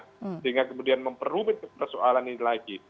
sehingga kemudian memperumit persoalan ini lagi